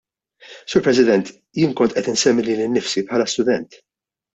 Sur President, jien kont qed insemmi lili nnifsi bħala student.